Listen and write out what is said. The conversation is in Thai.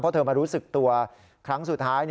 เพราะเธอมารู้สึกตัวครั้งสุดท้าย